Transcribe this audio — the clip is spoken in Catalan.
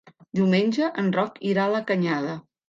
Diumenge en Roc irà a la Canyada.